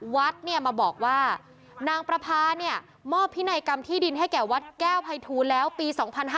วัดเนี่ยมาบอกว่านางประพาเนี่ยมอบพินัยกรรมที่ดินให้แก่วัดแก้วภัยทูลแล้วปี๒๕๕๙